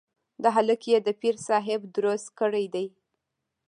دا هلک يې د پير صاحب دروږ کړی دی.